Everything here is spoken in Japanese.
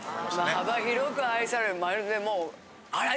幅広く愛されるまるでもう。